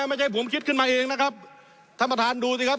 ไม่ใช่ผมคิดขึ้นมาเองนะครับท่านประธานดูสิครับ